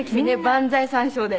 万歳三唱で。